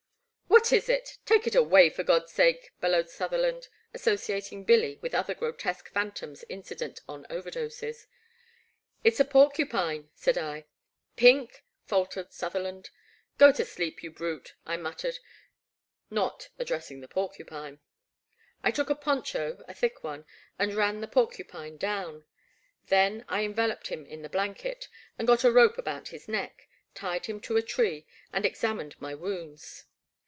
*' What is it ? Take it away for God's sake !*' bellowed Sutherland, associating Billy with other grotesque phantoms incident on overdoses. It 's a porcupine,*' said I. '* Pink ?" faltered Sutherland. Go to sleep, you brute," I muttered, not ad 154 7^ Black Water. dressing the porcupine. I took a poncho, a thick one, and ran the porcupine down. Then I envel oped him in the blanket, and got a rope about his neck, tied him to a tree and examined my wounds.